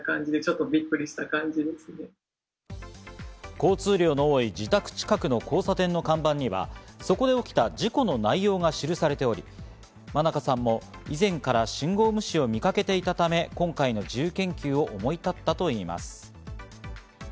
交通量の多い自宅近くの交差点の看板には、そこで起きた事故の内容が記されており、真佳さんも以前から信号無視を見かけていたため、今回の自由研究を思い立ったといいます。